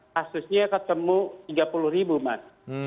kasusnya ketemu tiga puluh ribu mas